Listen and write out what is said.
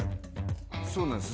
そうなんです。